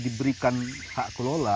diberikan hak kelola